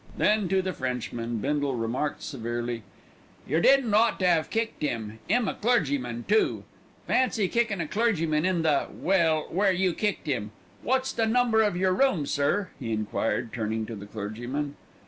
Then to the Frenchman Bindle remarked severely: "Yer didn't ought to 'ave kicked 'im, 'im a clergyman too. Fancy kicking a clergyman in the well, where you kicked 'im. Wot's the number of yer room, sir?" he enquired, turning to the clergyman.